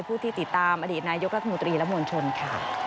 ผู้ที่ติดตามอดีตนายกรัฐมนตรีและมวลชนค่ะ